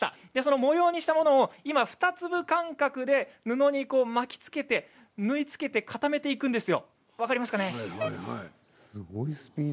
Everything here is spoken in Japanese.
模様にしたものを２粒間隔で布に巻きつけて縫い付けて固めていくんですよ。